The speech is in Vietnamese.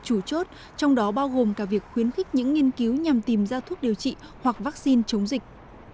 chủ chốt trong đó bao gồm cả việc khuyến khích những nghiên cứu nhằm tìm ra thuốc điều trị hoặc vaccine chống dịch